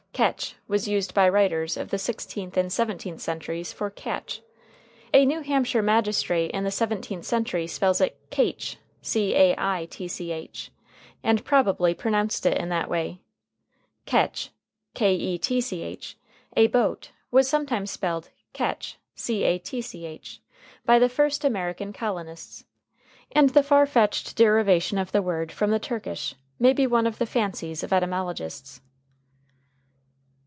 Ketch was used by writers of the sixteenth and seventeenth centuries for catch. A New Hampshire magistrate in the seventeenth century spells it caitch, and probably pronounced it in that way. Ketch, a boat, was sometimes spelled catch by the first American colonists, and the far fetched derivation of the word from the Turkish may be one of the fancies of etymologists.